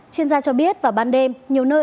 chuyên gia cho biết vào ban đêm nhiều nơi